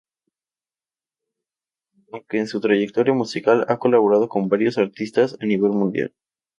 Aunque en su trayectoria musical ha colaborado con varios artistas a nivel Mundial.